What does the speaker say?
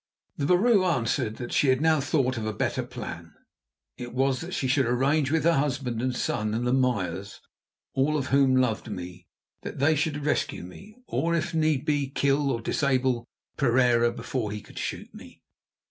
The vrouw answered that she had now thought of a better plan. It was that she should arrange with her husband and son and the Meyers, all of whom loved me, that they should rescue me, or if need be, kill or disable Pereira before he could shoot me.